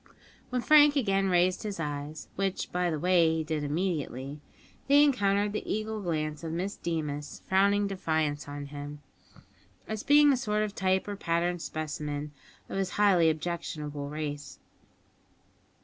When Frank again raised his eyes which, by the way, he did immediately they encountered the eagle glance of Miss Deemas frowning defiance on him, as being a sort of type or pattern specimen of his highly objectionable race.